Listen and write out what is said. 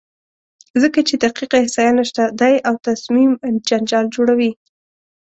ځکه چې دقیقه احصایه نشته دی او تصمیم جنجال جوړوي،